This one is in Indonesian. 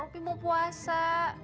opi mau puasa